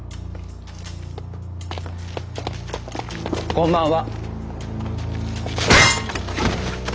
こんばんは。